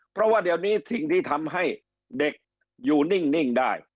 เพราะว่าเดี๋ยวนี้สิ่งที่ทำให้เด็กอยู่นิ่งได้